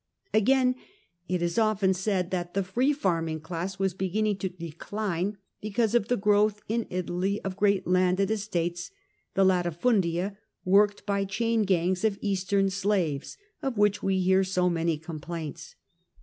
Again, it is often said that the free farming class was beginning to decline because of the growth in Italy of great landed estates — ^the latifundia, worked by chain gangs of Eastern slaves, of which we hear so many complaints.